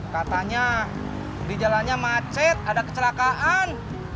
katanya di jalannya macet ada kecelakaan